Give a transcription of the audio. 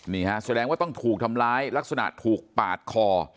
นี่ฮะแสดงว่าต้องถูกทำร้ายลักษณะถูกปาดคอ